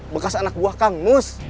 bekas anak buah kang mus